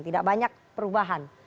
tidak banyak perubahan